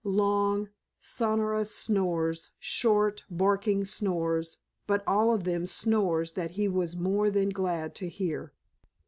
Long, sonorous snores, short, barking snores, but all of them snores that he was more than glad to hear.